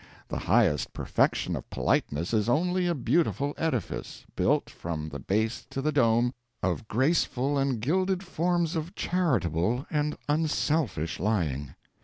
The highest perfection of politeness is only a beautiful edifice, built, from the base to the dome, of graceful and gilded forms of charitable and unselfish lying.